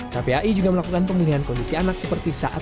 kpai juga melakukan pemulihan kondisi anak seperti saat